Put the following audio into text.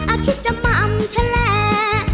อาคิดจะม่ำชะแหล